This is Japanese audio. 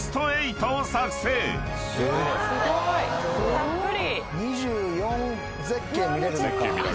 たっぷり。